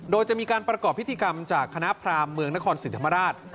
โดยจะมีการประกอบพิธีกรรมจากคณะพรามเมืองนครศรีธรรมราช